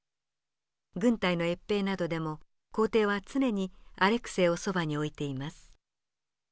軍隊の閲兵などでも皇帝は常にアレクセイをそばに置いています。